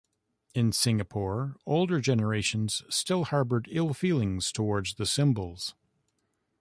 In Singapore, older generations still harbored ill feelings toward the symbols.